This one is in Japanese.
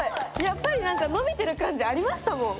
やっぱりなんかのびてる感じありましたもん。